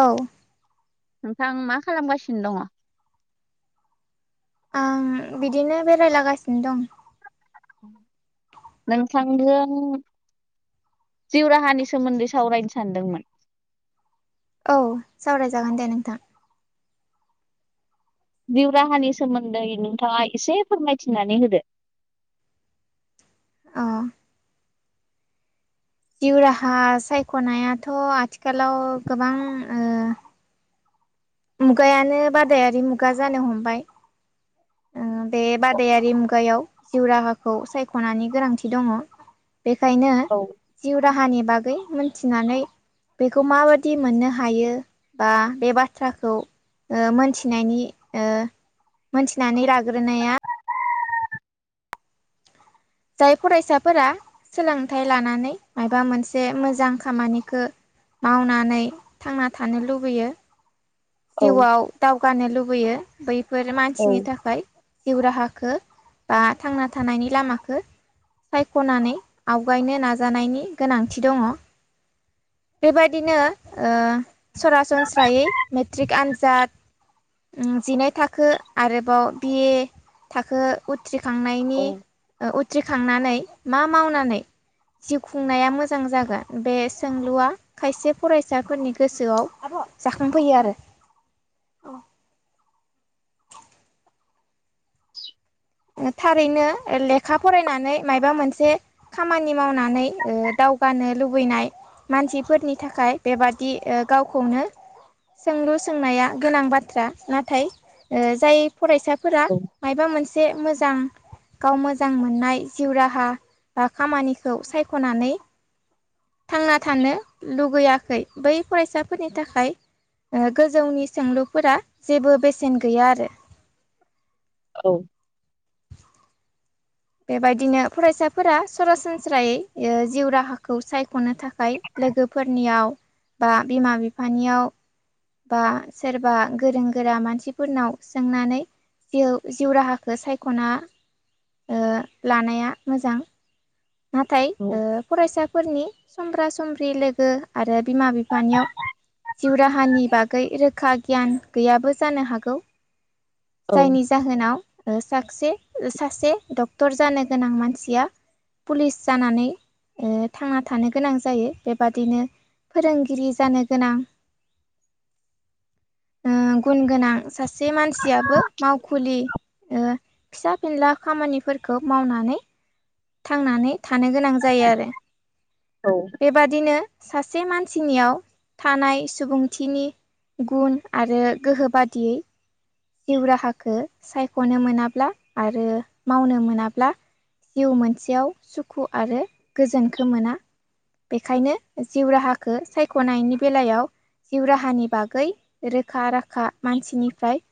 औ! नोंथां मा खालामगासिनो दङ? आं बिदिनो बेरायलागासिनो दं। नोंथांजों' जिउ राहानि सोमोन्दै सावरायनो सानदोंमोन। औ सावरायजागोन दे नोंथां'। जिउ राहानि सोमोन्दै नोंथाङा एसे फोरमायथिनानै होदो। [inaudible] औ। जिउ राहा सायख'नायाथ' आथिखालाव गोबां मुगायानो बादायारि मुगा जानो हमबाय। बे बादायारि मुगायाव जिउ राहाखौ सायख'नायनि गोनांथि दङ। बेखायनो औ जिउ राहानि बागै मोनथिनानै बेखौ माबायदि मोननो हायो बा बे बाथ्रा बाथ्राखौ मोनथिनायनि मोनथिनानै लाग्रोनाया जाय फरायसाफोरा सोलोंथाइ लानानै माबा मोनसे मोजां खामानिखौ मावनानै थांना थानो लुबैयो। औ जिउआव दावगानो लुबैयो बैफोर औ मानसिनि थाखाय जिउ राहाखौ बा थांना थानायनि लामाखौ सायख'नानै आवगायनो नाजानायनि गोनांथि दङ। बेबायदिनो सरासनस्रायै मेट्रिक आनजाद जिनै थाखो आरोबाव बिए थाखो उथ्रिखांनायनि औ उथ्रिखांनानै मा मावनानै जिउ खुंनाया मोजां जागोन। बे सोंलुआ खायसे फरायसाफोरनि गोसोआव जाखांफैयो आरो [inaudible] थारैनो लेखा फरायनानै माबा मोनसे खामानि मावनानै दावगानो लुबैनाय मानसिफोरनि थाखाय बेबादि गावखौनो सोंलु सोंनाया गोनां बाथ्रा नाथाय जाय फरायसाफोरा औ मायबा मोनसे मोजां गाव मोजां मोननाय जिउ राहा बा खामानिखौ सायख'नानै थांना थानो लुगैयाखै बै फरायसाफोरनि थाखाय गोजौनि सोंलुफोरा जेबो बेसेन गैया आरो औ बेबायदिनो फरायसाफोरा सरासनस्रायै जिउ राहाखौ सायख'नो थाखाय लोगोफोरनियाव बा बिमा बिफानियाव बा सोरबा गोरों गोरा मानसिफोरनाव सोंनानै जिउ जिउ राहाखौ सायख'ना लानाया मोजां। नाथाय औ फरायसाफोरनि समब्रा सम्ब्रि लोगो आरो बिमा बिफानियाव जिउ राहानि बागै रो खा गियान गैयाबो जानो हागौ औ जायनि जाहोनाव सासे सासे डक्टर जानो गोनां मानसिया पुलिस जानानै थांना थानो गोनां जायो बेबादिनो फोरोंगिरि जानो गोनां [inaudible] गुन गोनां सासे मानसियाबो माव फुलि फिसा फिनला खामानिफोरखौ मावनानै थांनानै थानो गोनां जायो आरो औ बेबादिनो सासे मानसिनियाव थानाय सुबुंथिनि गुन आरो गोहो बादियै जिउ राहाखौ सायख'नो मोनाब्ला आरो मावनो मोनाब्ला जिउ मोनसेयाव सुखु आरो गोजोनखौ मोना। बेखायनो जिउ राहाखौ सायख'नायनि बेलायाव जिउ राहानि बागै रोखा राखा मानसिनिफ्राय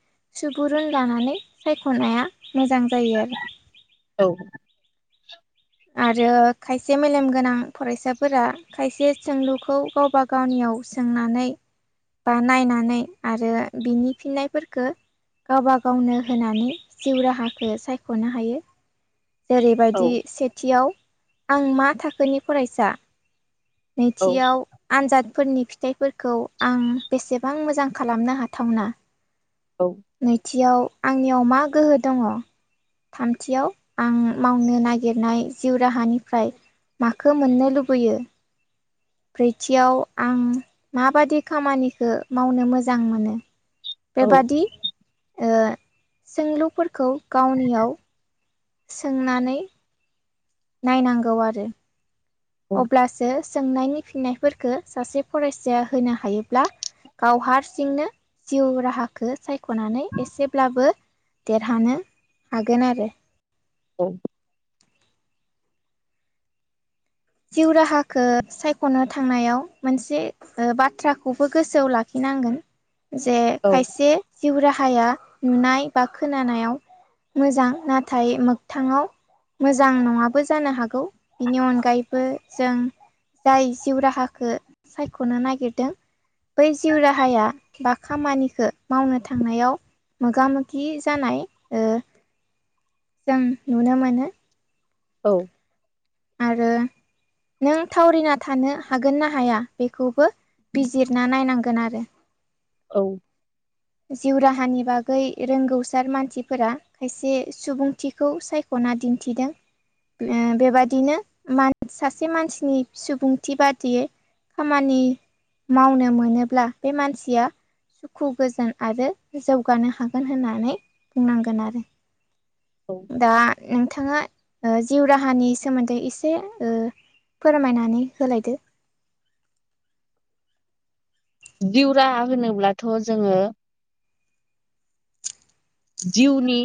सुबुरुन लानानै सायख'नाया मोजां जायो आरो। औ [inaudible] आरो खायसे मेलेमगोनां फरायसाफोरा खायसे सोंलुखौ गावबा गावनियाव सोंनानै बा नायनानै आरो बिनि फिननायफोरखौ गावबागावनो होनानै जिउ राहाखौ सायख'नो हायो जेरैबायदि औ सेथियाव आं मा थाखोनि फरायसा औ नैथियाव आनजाद फोरनि फिथाइफोरखौ आं बेसेबां मोजां खालामनो हाथावना नैथियाव आंनियाव मा गोहो दङ थामथियाव आं मावनो नागिरनाय जिउ राहानिफ्राय माखौ मोननो लुबैयो ब्रैथियाव आं माबादि खामानिखौ मावनो मोजां मोनो बेबादि सोंलुफोरखौ गावनियाव सोंनानै नायनांगौ आरो अब्लासो सोंनायनि फिन्नायफोरखौ सासे फरायसाया होनो हायोब्ला गाव हारसिंनो जिउ राहाखौ सायख'नानै एसेब्लाबो देरहानो हागोन आरो औ। जिउ राहाखौ सायख'नो थांनायाव मोनसे बाथ्राखौबो गोसोआव लाखिनो नांगोन जे खायसे जिउ राहाया नुनाय बा खोनानायाव मोजां नाथाय मोगथाङाव मोजां नङाबो जानो हागौ बिनि अनगायै जों जाय जिउ राहाखौ सायख'नो नागिरदों बै जिउ राहाया बा खामानिखौ मावनो थांनायाव मोगा मोगि जानाय ओ जों नुनो मोनो औ आरो नों थावरिना थानो हागोन ना हाया बेखौबो बिजिरना नायनांगोन आरो औ जिउ राहानि बागै रोंगौसार मानसिफोरा खायसे सुबुंथिखौ सायख'नो दिन्थिदों बेबादिनोान सासे मानसिनि सुबुंथि बादियै खामानि मावनो मोनोब्ला बे मानसिया सुखु गोजोन आरो जौगानो हागोन होननानै बुंनांगोन आरो। औ दा नोंथाङा जिउ राहानि सोमोन्दै एसे फोरमायनानै होलायदो दिउरा होनोब्लाथ' जोङो जिउनि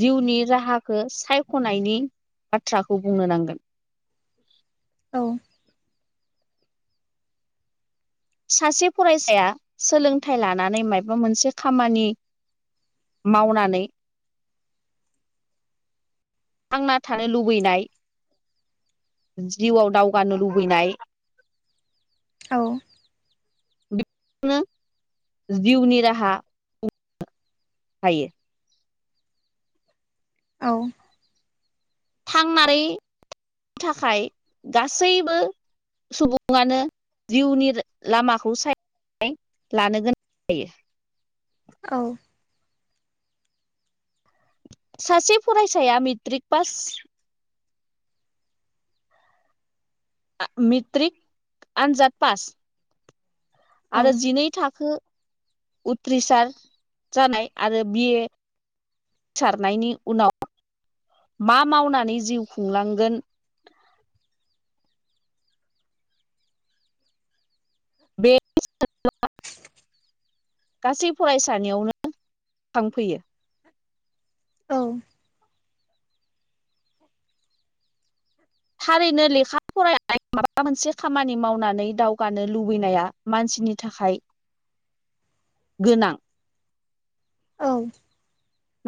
जिउनि राहाखौ सायख'नायनि बाथ्राखौ बुंनो नांगोन। औ सासे फरायसाया सोलोंथाइ लानानै माबा मोनसे खामानि मावनानै थांना थानो लुबैनाय जिउआव दावगानो लुबैनाय औ। बेनो जिउनि राहा थायो औ थांनानै थाखाय गासैबो सुबुङानो जिउनि लामाखौ साय लानो गोनां जायो। औ सासे फरायसाया मेट्रिक पास। मेट्रिक आनजाद पास। औ आरो जिनै थाखो। उथ्रिसार जानाय आरो बि ए। सारनायनि उनाव। मा मावनानै जिउ खुंलांगोन। बे। गासै फरायसानियावनो थांफैयो। औ। थारैनो लेखा फरायनाय माबा मोनसे खामानि मावनानै दावगानो लुबैनाया मानसि। नि थाखाय गोनां। औ।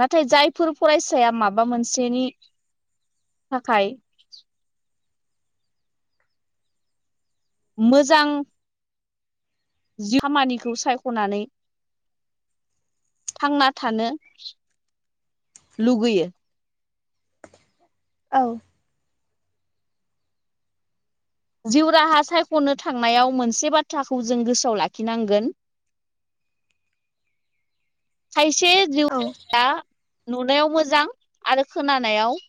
नाथाय जायफोर फरायसाया माबा मोनसेनि थाखाय। मोजां। जि खामानिखौ सायख'नानै। थांना थानो लुगैयो। औ। जिउ राहा सायख'नो थांनायाव मोनसे बाथ्राखौ जों गोसोआव लाखिनांगोन। [inaudible] खायसे औ जिउआ नुनायाव मोजां आरो खोनानायाव।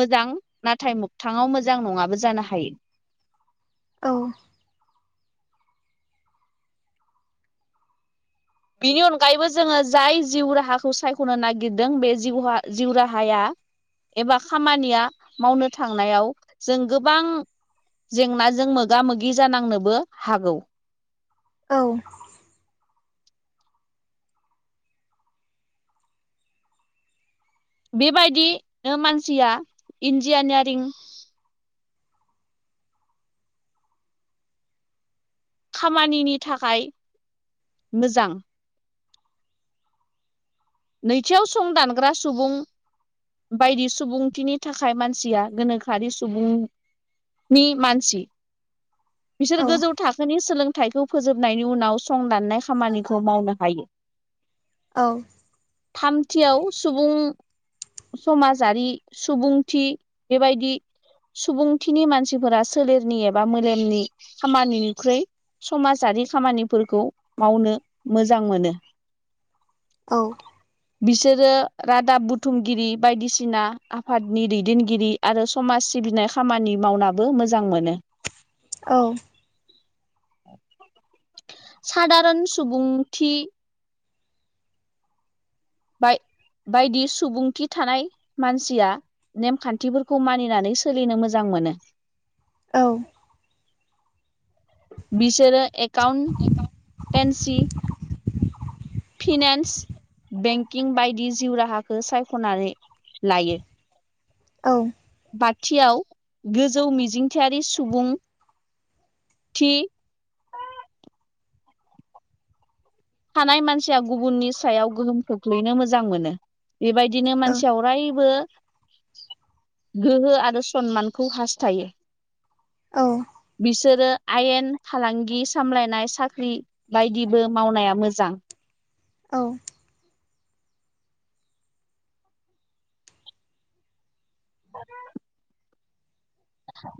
मोजां नाथाय मोखथाङाव मोजां नङाबो जानो हायो। औ। बिनि अनगायैबो जोङो जाय जिउ राहाखौ सायख'नो नागिरदों बे जिउ जिउ राहाया। एबा खामानिया मावनो थांनायाव जों गोबां। जेंनाजों मोगा मोगि जानांनोबो हागौ। औ। बेबायदिनो मानसिया इन्जिनियारिं। खामानिनि थाखाय मोजां। नैथियाव सं दानग्रा सुबुं। बायदि सुबुंथिनि थाखाय मानसिया गोनोखोआरि सुबुं। नि मानसि बिसोर औ गोजौ थाखोनि सोलों। फिथाइखौ फोजोबनायनि उनाव सं दाननाय खामानिखौ मावनो हायो। औ। थामथियाव सुबुं। समाजारि सुबुंथि बेबायदि। सुबुंथिनि मानसिफोरा सोलेरनि एबा मेलेमनि खामानिनिख्रुइ। समाजारि खामानिफोरखौ मावनो मोजां मोनो। औ। बिसोरो रादाब बुथुमगिरि बायदिसिना आफादनि दैदेनगिरि आरो समाज। सिबिनाय खामानि मावनाबो मोजां मोनो। औ। सादारन सुबुंथि। बाय। बायदि सुबुंथि थानाय मानसिया नेमखान्थिफोरखौ मानिनानै सोलिनो मोजां। मोनो। औ। बिसोरो एकाउन्टटेन्सि। फिनान्स। बेंकिं बायदि जिउ राहाखौ सायख'नानै लायो। औ। खाथियाव गोजौ मिजिंथियारि सुबुं थि [inaudible] मानसिया गुबुननि सायाव गोहोम खोख्लैनो मोजां मोनो बेबायदिनो मानसियाव अरायबो गोहो आरो सनमानखौ हास्थायो औ बिसोर आयेन फालांगि सामलायनाय साख्रि बायदिबो मावनाया मोजां। औ [inaudible]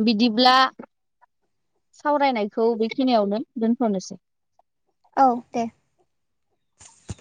बिदिब्ला सावरायनायखौ बेखिनियावनो दोनथ'नोसै। औ दे। [inaudible]